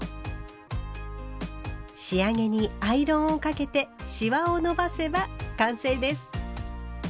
仕上げにアイロンをかけてシワを伸ばせば完成です。